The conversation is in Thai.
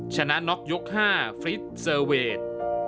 ชนะน็อกยก๕ฟริสเซอร์เวท